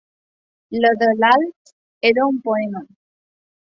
La de l'Alf era un poema.